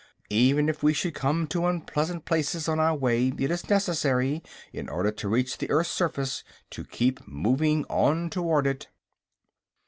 Even if we should come to unpleasant places on our way it is necessary, in order to reach the earth's surface, to keep moving on toward it."